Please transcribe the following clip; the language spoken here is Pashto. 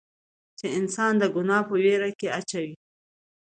چې انسان د ګناه پۀ وېره کښې اچوي